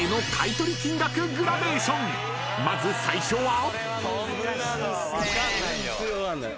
［まず最初は］